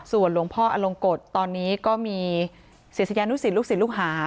ส่วนหลวงพ่ออลงกฎตอนนี้ก็มีเสียทะเย้านุษิศลูกศิลป์ลูกหา